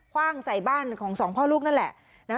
ว่างใส่บ้านของสองพ่อลูกนั่นแหละ